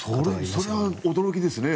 それは驚きですね。